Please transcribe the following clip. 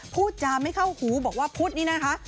พูดจาไม่เข้าหูบอกว่าพุทธนี่นะคะ